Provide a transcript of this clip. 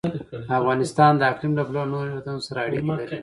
افغانستان د اقلیم له پلوه له نورو هېوادونو سره اړیکې لري.